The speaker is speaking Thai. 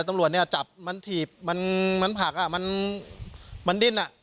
ตำรวจเนี่ยจับมันถีบมันผักอ่ะมันดิ้นอ่ะ